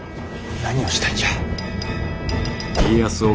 何をしたいんじゃ。